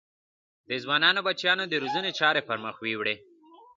د ځوانو بچیانو د روزنې چارې پر مخ ویوړې.